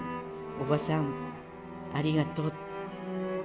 おばさんありがとう。